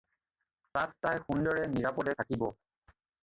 তাত তাই সুন্দৰে, নিৰাপদে থাকিব।